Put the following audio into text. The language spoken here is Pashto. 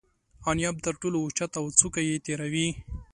انیاب تر ټولو اوچت او څوکه یې تیره وي.